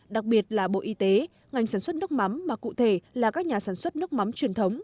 đặc biệt là bộ y tế ngành sản xuất nước mắm mà cụ thể là các nhà sản xuất nước mắm truyền thống